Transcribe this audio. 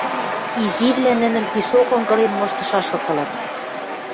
Изивлӓ нӹнӹм пишок ынгылен моштышашлык ылыт.